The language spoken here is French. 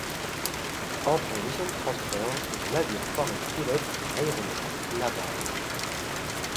Entre les missions de transport, le navire formait des pilotes de l'aéronautique navale.